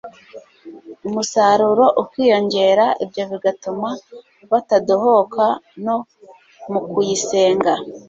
umusaruro ukiyongera; ibyo bigatuma batadohoka no mu kuyisenga